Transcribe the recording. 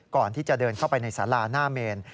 ก่อนที่จะเดินเข้าไปในสาราหน้าเมน